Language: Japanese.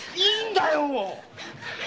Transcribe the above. いいんだよ